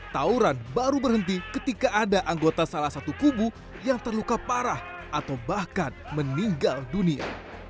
tauran baru berhenti ketika ada anggota salah satu kubu yang terluka parah atau bahkan meninggal dunia